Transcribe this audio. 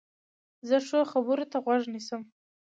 زه ښو خبرو ته غوږ نیسم.